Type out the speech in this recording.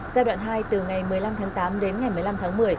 giai đoạn hai từ ngày một mươi năm tháng tám đến ngày một mươi năm tháng một mươi